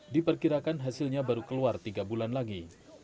diperkirakan hasilnya baru keluar tiga bulan lagi